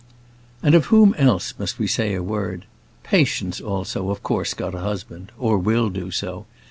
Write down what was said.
And of whom else must we say a word? Patience, also, of course, got a husband or will do so.